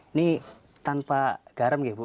ini tanpa garam ya bu